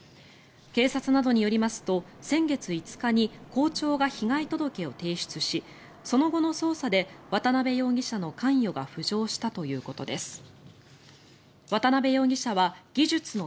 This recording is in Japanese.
警察などによりますと先月５日に校長が被害届を提出しその後の捜査で渡邊容疑者の関与が浮上したということです。